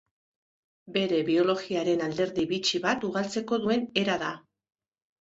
Bere biologiaren alderdi bitxi bat ugaltzeko duen era da.